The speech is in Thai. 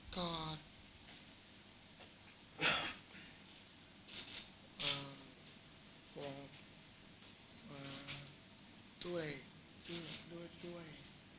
ช่วยช่วยช่วยช่วย